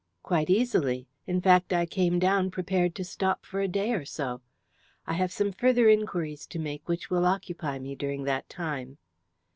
"Quite easily. In fact, I came down prepared to stop for a day or so. I have some further inquiries to make which will occupy me during that time."